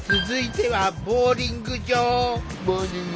続いてはボウリング場。